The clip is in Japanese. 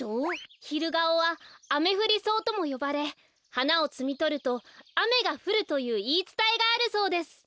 ヒルガオはアメフリソウともよばれはなをつみとるとあめがふるといういいつたえがあるそうです。